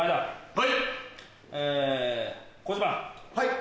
はい。